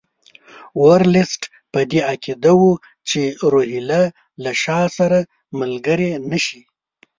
ورلسټ په دې عقیده وو چې روهیله له شاه سره ملګري نه شي.